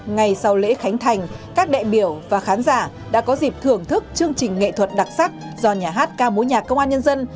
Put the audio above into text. ngày sau lễ khánh thành các đại biểu và khán giả đã có dịp thưởng thức chương trình nghệ thuật đặc sắc do nhà hát ca mối nhạc công an nhân dân